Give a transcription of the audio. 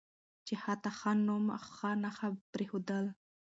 چې حتی ښه نوم او ښه نښه پرېښودل